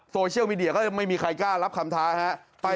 โซเชียลมีเดียก็ยังไม่มีใครกล้ารับคำท้าฮะ